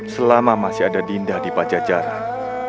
selama masih ada dinda di pajajaran